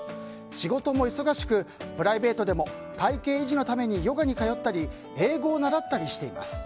仕事も忙しく、プライベートでも体形維持のためにヨガに通ったり英語を習ったりしています。